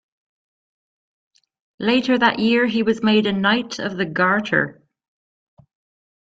Later that year he was made a Knight of the Garter.